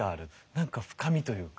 何か深みというか。